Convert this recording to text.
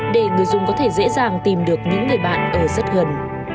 để người dùng có thể dễ dàng tìm được những người bạn ở rất gần